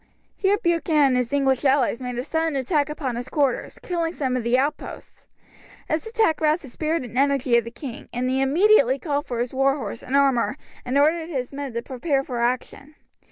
Here Buchan and his English allies made a sudden attack upon his quarters, killing some of the outposts. This attack roused the spirit and energy of the king, and he immediately called for his war horse and armour and ordered his men to prepare for action.